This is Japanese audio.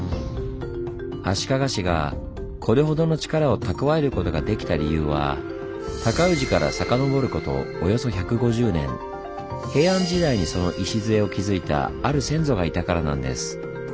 足利氏がこれほどの力を蓄えることができた理由は尊氏から遡ることおよそ１５０年平安時代にその礎を築いたある先祖がいたからなんです。